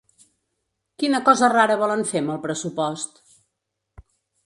Quina cosa rara volen fer amb el pressupost?